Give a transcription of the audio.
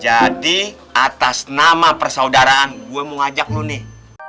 jadi atas nama persaudaraan gua mau ngajak lu nih